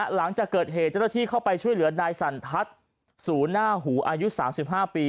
หลังจากเกิดเหตุเจ้าหน้าที่เข้าไปช่วยเหลือนายสันทัศน์สูหน้าหูอายุ๓๕ปี